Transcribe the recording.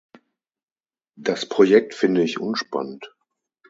Das Projekt finde ich unspannend.